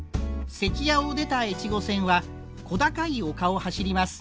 関屋を出た越後線は小高い丘を走ります。